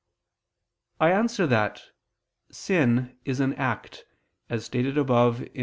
I answer that, Sin is an act, as stated above (Q.